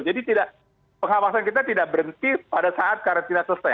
jadi pengawasan kita tidak berhenti pada saat karantina selesai